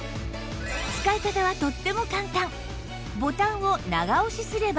使い方はとっても簡単